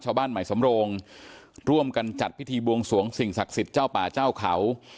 ชาวบ้านใหม่สำโรงร่วมกันจัดพิธีบวงสวงสิ่งศักดิ์สิทธิ์เจ้าป่าเจ้าเขา